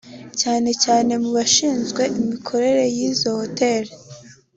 cyane cyane mu bashinzwe imikorere y’izo hoteli